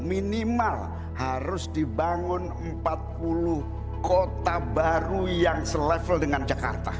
minimal harus dibangun empat puluh kota baru yang selevel dengan jakarta